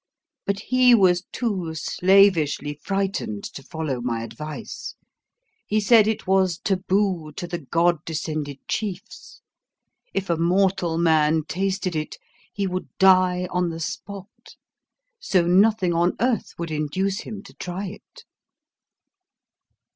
But he was too slavishly frightened to follow my advice; he said it was taboo to the god descended chiefs: if a mortal man tasted it, he would die on the spot: so nothing on earth would induce him to try it.